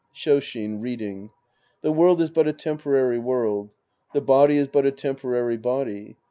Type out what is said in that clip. Shoshin (reading). The world is but a temporary world. The body is but a temporary body.